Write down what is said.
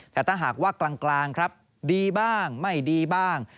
แต่ถ้าหากว่ากลางครับดีบ้างไม่ดีบ้าง